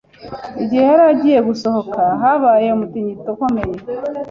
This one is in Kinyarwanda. Igihe yari agiye gusohoka, habaye umutingito ukomeye.